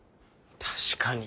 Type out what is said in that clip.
確かに。